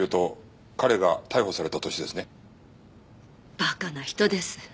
馬鹿な人です。